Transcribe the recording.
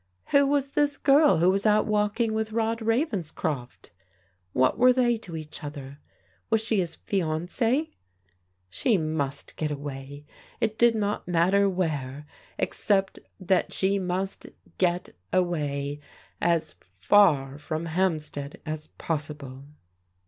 Who was this girl who was out walking with Rod Ravenscroft? What were they to each other? Was she his fiancief She niust get away! It did not matter where, except that she mtist get away, as far from Hampstead as possible.